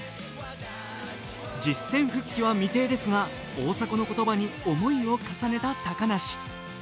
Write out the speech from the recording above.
実戦復帰は未定ですが大迫の言葉に思いを重ねた高梨。